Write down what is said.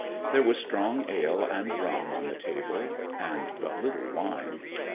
There was strong ale and rum on the table, and but little wine.